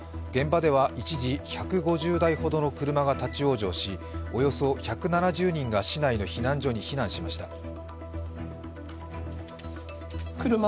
現場では一時、１５０台ほどの車が立往生しおよそ１７０人が市内の避難所に非難しました。